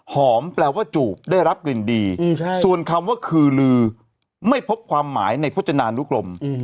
แปลว่าจูบได้รับกลิ่นดีส่วนคำว่าคือลือไม่พบความหมายในพจนานุกรม